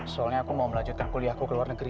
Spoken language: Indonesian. soalnya aku mau melanjutkan kuliah aku ke luar negeri